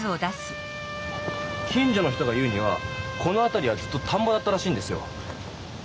近所の人が言うにはこのあたりはずっと田んぼだったらしいんですよ。